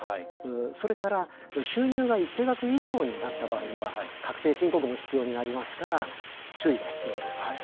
それから、収入が一定額以上になった場合には確定申告も必要になりますから注意が必要ですね。